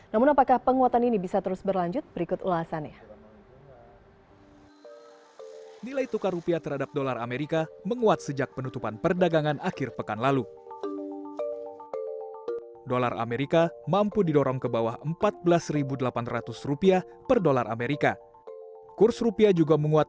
namun apakah penguatan ini bisa terus berlanjut